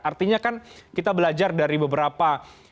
artinya kan kita belajar dari beberapa